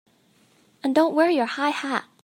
And don't wear your high hat!